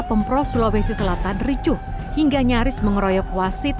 pemprov sulawesi selatan ricuh hingga nyaris mengeroyok wasit